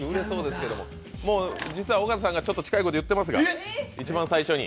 実は尾形さんが近いことを言ってますが、一番最初に。